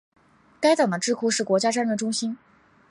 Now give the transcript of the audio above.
该党的智库是国家战略中心。